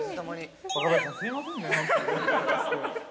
若林さん、すいませんね。